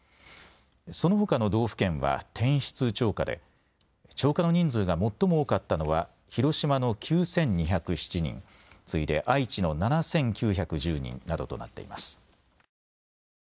そのほかの道府県は転出超過で超過の人数が最も多かったのは広島の９２０７人、次いで愛知の７９１０人などとなっています。